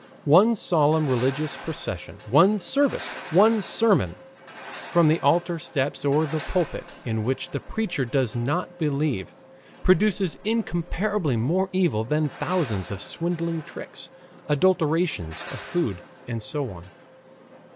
One solemn religious procession, one service, one sermon from the altar steps or the pulpit, in which the preacher does not believe, produces incomparably more evil than thousands of swindling tricks, adulteration of food, and so on.